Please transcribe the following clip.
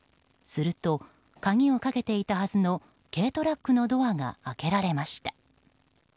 すると、鍵をかけていたはずの軽トラックのドアが開けられました。